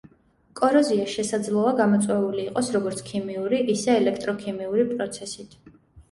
კოროზია შესაძლოა გამოწვეული იყოს როგორც ქიმიური ისე ელექტროქიმიური პროცესით.